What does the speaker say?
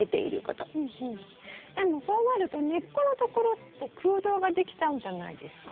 でもそうなると根っこのところって空洞ができちゃうんじゃないですか？